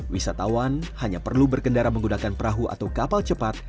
wisatawan hanya perlu berkendara menggunakan perahu atau kapal cepat